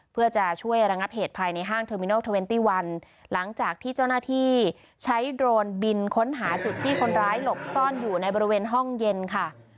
เพื่อจะช่วยระงับเหตุภายในห้างเทอร์มินอลเทอร์เวนตี้วันหลังจากที่เจ้าหน้าที่ใช้โดรนบินค้นหาจุดที่คนร้ายหลบซ่อนอยู่ในบริเวณห้องเย็นค่ะ